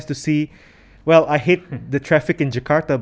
saya benci dengan berdekatan di jakarta